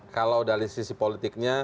kalau dari sisi politiknya